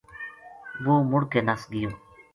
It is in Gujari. وہ مُڑ کے نَس گیو